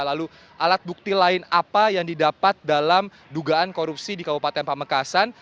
lalu alat bukti lain apa yang didapat dalam dugaan korupsi di kabupaten pamekasan